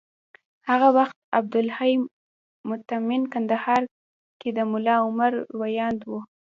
هغه وخت عبدالحی مطمین کندهار کي د ملا عمر ویاند و